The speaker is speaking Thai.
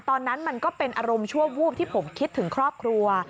ตอนนั้นมันก็เป็นอารมณ์ชั่ววูบที่ผมคิดถึงครอบครัว